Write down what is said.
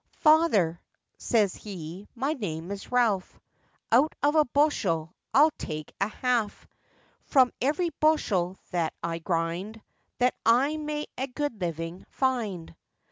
'Father,' says he, 'my name is Ralph; Out of a bushel I'll take a half, From every bushel that I grind, That I may a good living find.